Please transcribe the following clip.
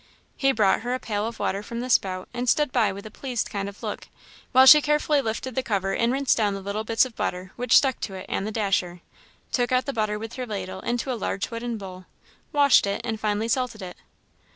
He brought her a pail of water from the spout, and stood by with a pleased kind of look, while she carefully lifted the cover and rinsed down the little bits of butter which stuck to it and the dasher; took out the butter with her ladle into a large wooden bowl, washed it, and finally salted it.